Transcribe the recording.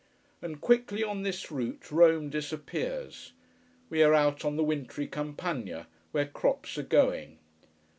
And quickly on this route Rome disappears. We are out on the wintry Campagna, where crops are going.